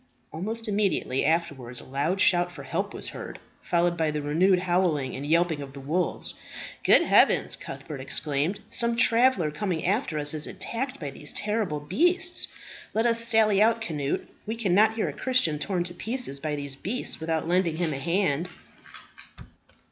Almost immediately afterwards a loud shout for help was heard, followed by the renewed howling and yelping of the wolves. "Good heavens!" Cuthbert exclaimed. "Some traveller coming after us is attacked by these horrible beasts. Let us sally out, Cnut. We cannot hear a Christian torn to pieces by these beasts, without lending him a hand."